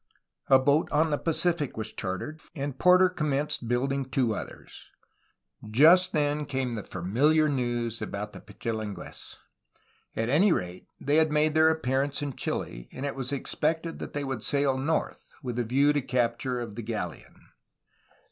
A boat on the Pacific was chartered, and Porter commenced building two others. Just then came the familiar news about the Pichilingues; at any rate they had made their appearance in Chile, and it was expected that they would sail north, with a view to the capture of the galleon.